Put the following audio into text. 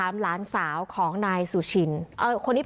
ประตู๓ครับ